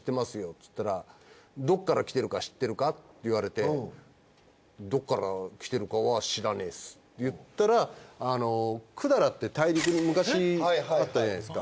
つったら「どっから来てるか知ってるか？」って言われて「どっから来てるかは知らねえっす」って言ったら百済って大陸に昔あったじゃないですか。